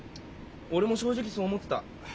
俺も正直そう思ってた。